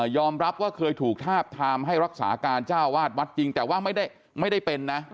อมรับว่าเคยถูกทาบทามให้รักษาการเจ้าวาดวัดจริงแต่ว่าไม่ได้เป็นนะ